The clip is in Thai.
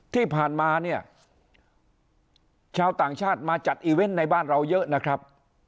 ที่ผ่านมาเนี่ยชาวต่างชาติมาจัดอีเวนต์ในบ้านเราเยอะนะครับ